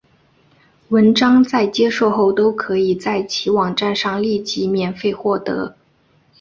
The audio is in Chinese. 文章在接受后都可以在其网站上立即免费获得。